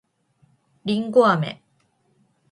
りんごあめ